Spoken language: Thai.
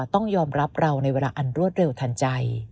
ต้องยอมรับเราในเวลาอันรวดเร็วทันใจ